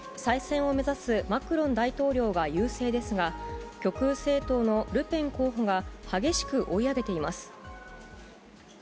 再選を目指すマクロン大統領が優勢ですが、極右政党のルペン候補が激しく追い上げています。